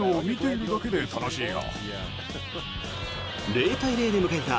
０対０で迎えた